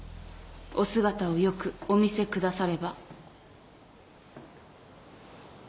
お姿をよくお見せくだされば。